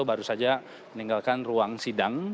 baru saja meninggalkan ruang sidang